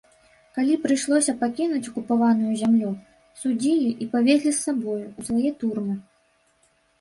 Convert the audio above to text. Калі прыйшлося пакінуць акупаваную зямлю, судзілі і павезлі з сабою, у свае турмы.